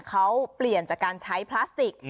เขาเปลี่ยนจากการใช้พลาสติก